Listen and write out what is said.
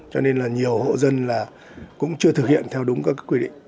cho nên là nhiều hộ dân là cũng chưa thực hiện theo đúng các quy định